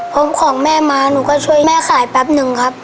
ของแม่มาหนูก็ช่วยแม่ขายแป๊บหนึ่งครับ